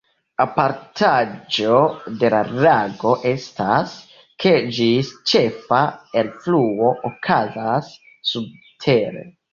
Apartaĵo de la lago estas, ke ĝis ĉefa elfluo okazas subtere.